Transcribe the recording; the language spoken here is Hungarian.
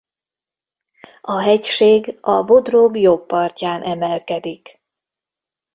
A hegység a Bodrog jobb partján emelkedik.